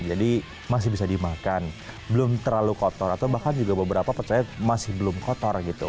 jadi masih bisa dimakan belum terlalu kotor atau bahkan juga beberapa percaya masih belum kotor gitu